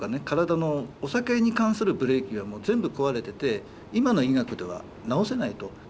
体のお酒に関するブレーキがもう全部壊れてて今の医学では治せないと。